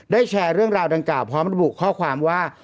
แชร์เรื่องราวดังกล่าวพร้อมระบุข้อความว่า